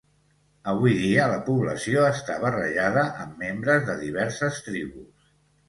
Avui dia la població està barrejada amb membres de diverses tribus.